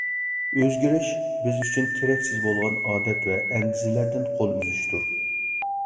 ئۆزگىرىش — بىز ئۈچۈن كېرەكسىز بولغان ئادەت ۋە ئەندىزىلەردىن قول ئۈزۈشتۇر.